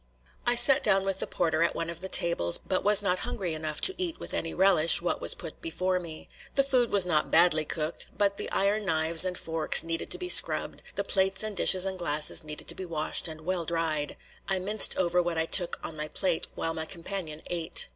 I sat down with the porter at one of the tables, but was not hungry enough to eat with any relish what was put before me. The food was not badly cooked; but the iron knives and forks needed to be scrubbed, the plates and dishes and glasses needed to be washed and well dried. I minced over what I took on my plate while my companion ate.